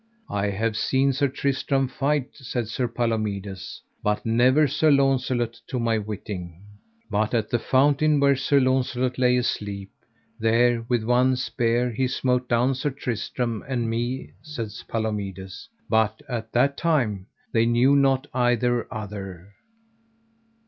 I have seen Sir Tristram fight, said Sir Palomides, but never Sir Launcelot to my witting. But at the fountain where Sir Launcelot lay asleep, there with one spear he smote down Sir Tristram and me, said Palomides, but at that time they knew not either other.